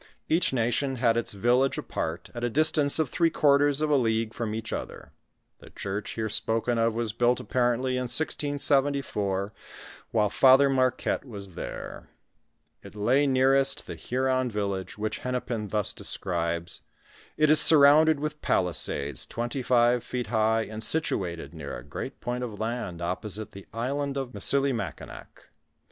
Each nation had its village apart, at a distance of three quarters of a league from each other. The church here spoken of was built apparently in 1674, while F. Marquette was there {Eel. 1672 73, and 1678 79) ; it lay nearest the Huron y'lU lage, which Hennepin thus describes: "It is surrounded with palisades twenty five feet high, and situated near a great point of land opposite the island of Hisailimakinac."